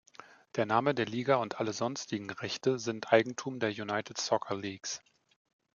Der Name der Liga und alle sonstigen Rechte sind Eigentum der United Soccer Leagues.